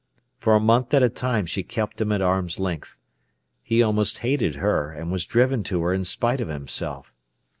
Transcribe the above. For a month at a time she kept him at arm's length. He almost hated her, and was driven to her in spite of himself.